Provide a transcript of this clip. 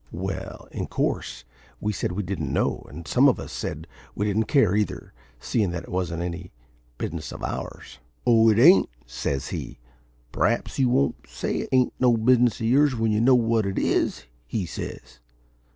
"Well, in course we said we didn't know; and some of us said we didn't care either, seein' that it wasn't any business of ours. "`Oh, ain't it?' says he. `P'r'aps you won't say it ain't no business of yours when you know what it is,' he says.